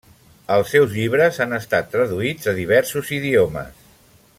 Els seus llibres han estat traduïts a diversos idiomes.